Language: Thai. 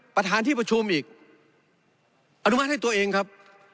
ประธานที่ประชุมอีกอนุมัติให้ตัวเองครับ